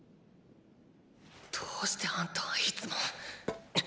どうしてあんたはいつも！